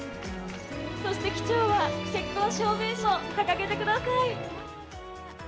・そして機長は結婚証明書を掲げてください！